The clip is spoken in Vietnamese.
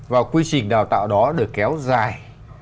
và quy trình đào tạo đó được kéo dài